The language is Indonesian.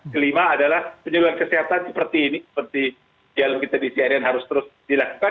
kelima adalah penyelenggaraan kesehatan seperti ini seperti dialami kita di sianian harus terus dilakukan